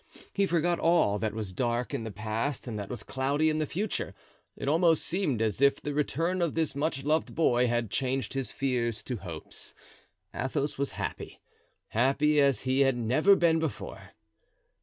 He forgot all that was dark in the past and that was cloudy in the future. It almost seemed as if the return of this much loved boy had changed his fears to hopes. Athos was happy—happy as he had never been before.